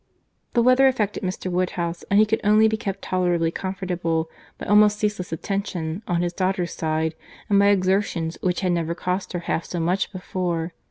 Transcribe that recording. The weather affected Mr. Woodhouse, and he could only be kept tolerably comfortable by almost ceaseless attention on his daughter's side, and by exertions which had never cost her half so much before.